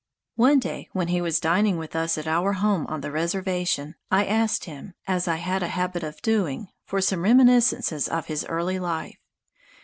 One day when he was dining with us at our home on the reservation, I asked him, as I had a habit of doing, for some reminiscences of his early life.